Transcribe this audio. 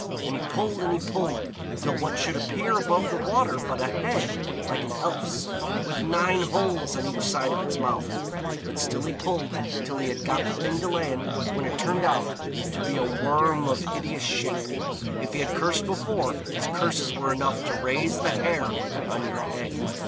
and he pulled and he pulled, till what should appear above the water but a head like an elf's, with nine holes on each side of its mouth. But still he pulled till he had got the thing to land, when it turned out to be a Worm of hideous shape. If he had cursed before, his curses were enough to raise the hair on your head.